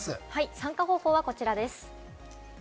参加方法はこちらです。